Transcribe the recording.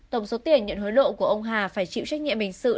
tổng số tiền nhận hối lộ của ông hà phải chịu trách nhiệm hình sự